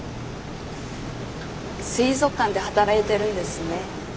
水族館で働いてるんですね。